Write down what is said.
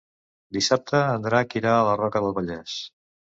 Dissabte en Drac irà a la Roca del Vallès.